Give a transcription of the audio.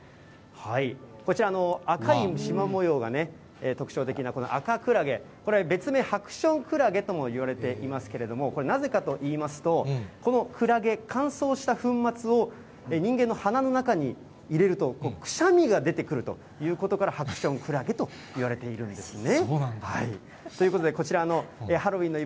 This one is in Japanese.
こちら、赤いしま模様が特徴的なこのアカクラゲ、これは別名、ハクションクラゲともいわれていますけれども、これなぜかといいますと、このクラゲ、乾燥した粉末を人間の鼻の中に入れると、くしゃみが出てくるということから、ハクションクラゲといわれているんですね。